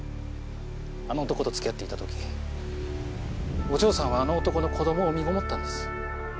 あの男と付き合っていたときお嬢さんはあの男の子供を身ごもったんです。